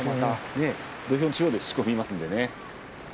土俵中央でしこを踏みますのでね。